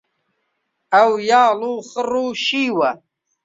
ئەو یاڵ و خڕ و شیوە